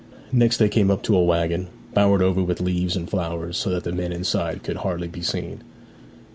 Next they came up to a waggon, bowered over with leaves and flowers, so that the men inside could hardly be seen.